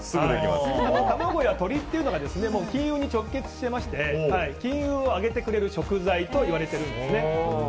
卵や鶏というのが金運に直結してまして金運を上げてくれる食材といわれているんですね。